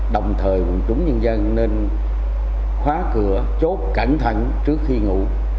đồng thời quận chúng nhân dân nên khóa cửa chốt cảnh thẳng trước khi ngủ